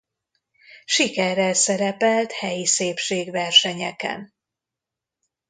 Sikerrel szerepelt helyi szépségversenyeken.